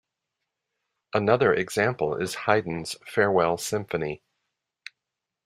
Another example is Haydn's 'Farewell Symphony'.